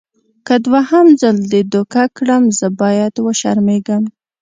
که دوهم ځل دې دوکه کړم زه باید وشرمېږم.